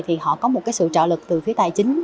thì họ có một sự trợ lực từ phía tài chính